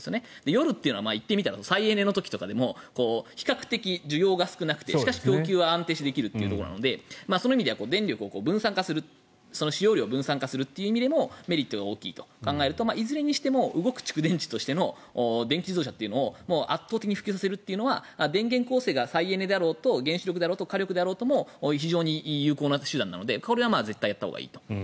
よるというのは言ってみたら再エネの時とかでも比較的、需要が少なくてしかし供給は安定してできるのでその意味では電力の使用量を分散化するという意味でもメリットが大きいと考えるといずれにしても動く蓄電池としての電気自動車を圧倒的に普及させるというのは電源構成が再エネだろうと原子力だろうと火力だろうと非常に有効な手段なのでこれは絶対にやったほうがいいと。